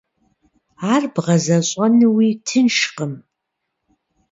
Ар бгъэзэщӏэнуи тыншкъым.